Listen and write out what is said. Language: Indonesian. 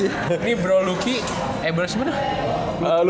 ini bro luki ebersih mana